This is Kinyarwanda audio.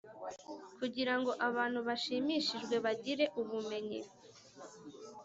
Kugira ngo abantu bashimishijwe bagire ubumenyi